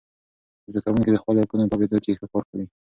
زده کوونکي د خپلو حقونو په پوهیدو کې ښه کار کوي.